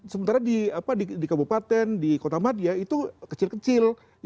sementara di kabupaten di kota madia itu kecil kecil